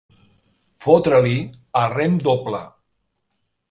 Fotre-li a rem doble.